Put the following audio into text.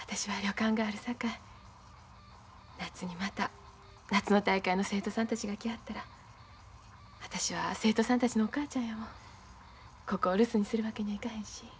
夏にまた夏の大会の生徒さんたちが来はったら私は生徒さんたちのお母ちゃんやもんここを留守にするわけにはいかへんし。